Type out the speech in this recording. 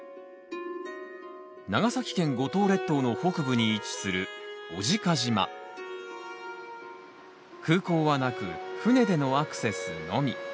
長崎県五島列島の北部に位置する空港はなく船でのアクセスのみ。